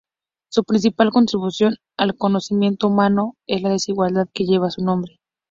Su principal contribución al conocimiento humano es la desigualdad que lleva su nombre.